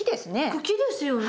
茎ですよね。